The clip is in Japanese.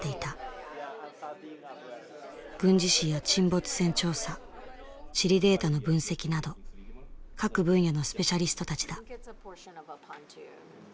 軍事史や沈没船調査地理データの分析など各分野のスペシャリストたちだ。